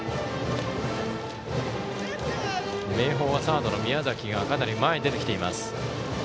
明豊はサードの宮崎がかなり前に出てきています。